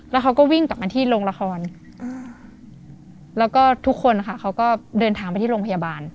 แล้วเขาก็วิ่งกลับมาที่โรงละครแล้วก็ทุกคนค่ะเขาก็เดินทางไปที่โรงพยาบาล